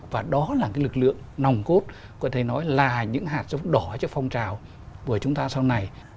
và đó là cái lực lượng nòng cốt có thể nói là những hạt giống đỏ cho phong trào của chúng ta sau này